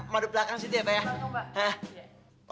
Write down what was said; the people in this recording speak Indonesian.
madu belakang situ ya pak